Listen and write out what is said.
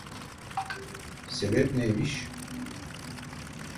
Sebep neymiş?